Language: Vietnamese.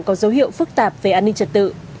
có dấu hiệu phức tạp về an ninh trật tự